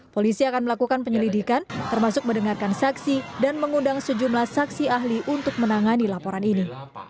polisi akan melakukan penyelidikan termasuk mendengarkan saksi dan mengundang sejumlah saksi ahli untuk menangani laporan ini